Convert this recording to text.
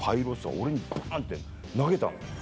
俺にばんって投げたの。